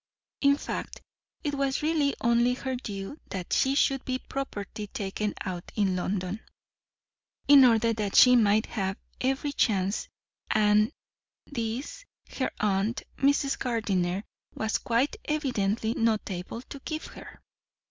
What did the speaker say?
In fact, it was really only her due that she should be properly taken out in London, in order that she might have every chance, and this her aunt, Mrs. Gardiner, was quite evidently not able to give her.